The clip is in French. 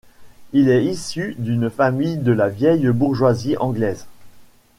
Il est issu d'une famille de la vieille bourgeoisie anglaise.